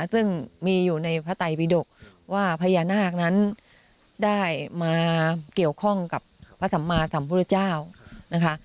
ซึ่งมีอยู่ในพระไตบิดกว่าพญานาคนั้นได้มาเกี่ยวข้องกับพระสัมมาสัมพุทธเจ้านะคะ